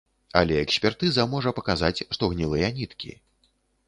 Але экспертыза можа паказаць, што гнілыя ніткі.